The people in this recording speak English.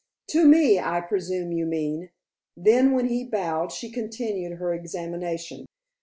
"To me, I presume you mean;" then when he bowed, she continued her examination.